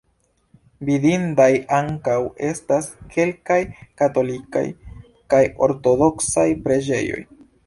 Vidindaj ankaŭ estas kelkaj katolikaj kaj ortodoksaj preĝejoj.